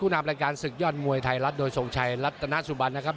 นามรายการศึกยอดมวยไทยรัฐโดยทรงชัยรัตนสุบันนะครับ